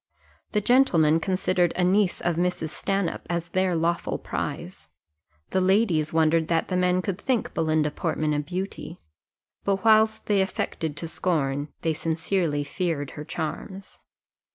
The gentlemen considered a niece of Mrs. Stanhope as their lawful prize. The ladies wondered that the men could think Belinda Portman a beauty; but whilst they affected to scorn, they sincerely feared her charms.